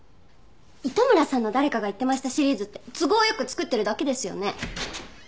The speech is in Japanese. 糸村さんの誰かが言ってましたシリーズって都合よく作ってるだけですよね？